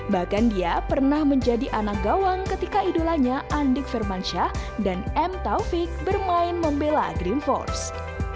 bahkan dia pernah menjadi anak gawang ketika idolanya andik firmansyah dan m taufik bermain membela green force